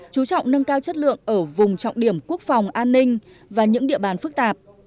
chú trọng nâng cao chất lượng ở vùng trọng điểm quốc phòng an ninh và những địa bàn phức tạp